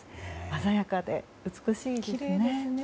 鮮やかで美しいですね。